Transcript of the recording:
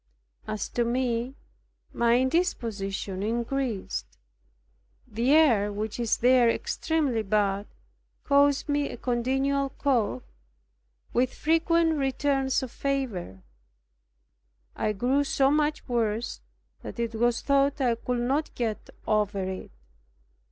As to me, my indisposition increased. The air, which is there extremely bad, caused me a continual cough, with frequent returns of fever. I grew so much worse that it was thought I could not get over it.